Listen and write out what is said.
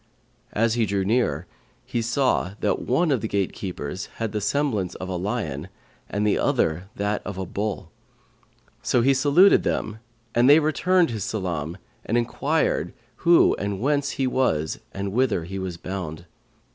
As he drew near, he saw that one of the gatekeepers had the semblance of a lion and the other that of a bull; so he saluted them and they returned his salam and enquired who and whence he was and whither he was bound.